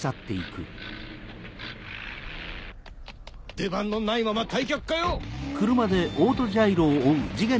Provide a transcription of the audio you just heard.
出番のないまま退却かよ！